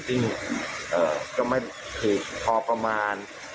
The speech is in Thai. ซึ่งก็ไม่ผิดพอประมาณ